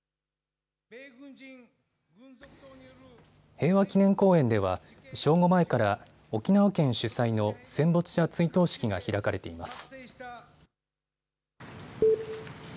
平和祈念公園では正午前から沖縄県主催の戦没者追悼式が開かれています。